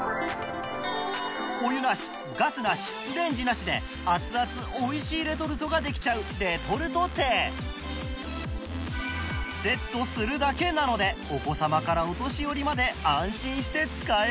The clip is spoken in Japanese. お湯なしガスなしレンジなしで熱々おいしいレトルトができちゃうセットするだけなのでお子様からお年寄りまで安心して使えます